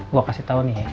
gue kasih tau nih ya